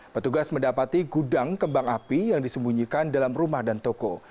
petugas mendapati gudang kembang api yang disembunyikan dalam rumah dan toko